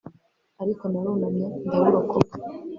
ariko narunamye ndawurokoka